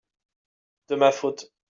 de ma faute.